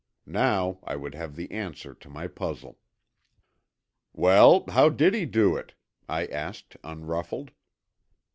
Now I would have the answer to my puzzle. "Well, how did he do it?" I asked, unruffled.